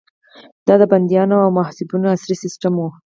دا د بندیخانو او محبسونو عصري سیستم و.